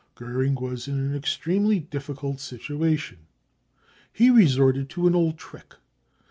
Goering was in an extremely difficult situation. He resorted to an old trick.